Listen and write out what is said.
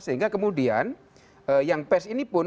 sehingga kemudian yang pers ini pun